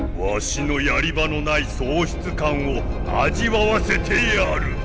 わしのやり場のない喪失感を味わわせてやる。